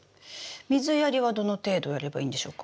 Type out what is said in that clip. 水やりはどの程度やればいいんでしょうか？